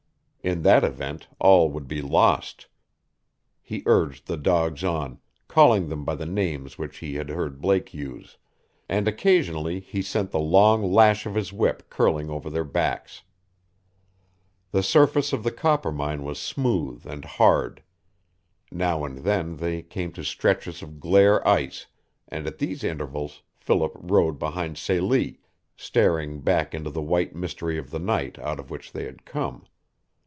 In that event all would be lost. He urged the dogs on, calling them by the names which he had heard Blake use, and occasionally he sent the long lash of his whip curling over their backs. The surface of the Coppermine was smooth and hard. Now and then they came to stretches of glare ice and at these intervals Philip rode behind Celie, staring back into the white mystery of the night out of which they had come.